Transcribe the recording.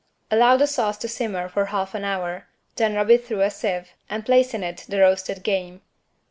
Allow the sauce to simmer for half an hour then rub it through a sieve and place in it the roasted game.